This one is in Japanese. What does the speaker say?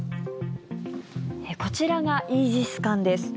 こちらがイージス艦です。